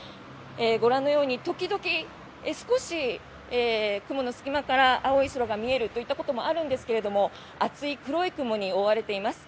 ご覧のように時々少し雲の隙間から青い空が見えるといったこともあるんですけれども厚い黒い雲に覆われています。